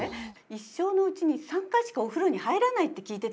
一生のうちに３回しかお風呂に入らないって聞いてたんですよ。